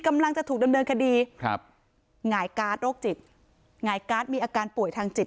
กำลังจะถูกดำเนินคดีครับหงายการ์ดโรคจิตหงายการ์ดมีอาการป่วยทางจิต